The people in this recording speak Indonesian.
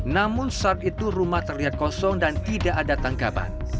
namun saat itu rumah terlihat kosong dan tidak ada tangkapan